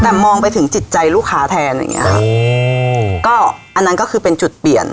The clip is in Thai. แต่มองไปถึงจิตใจลูกค้าแทนอย่างเงี้ค่ะอืมก็อันนั้นก็คือเป็นจุดเปลี่ยน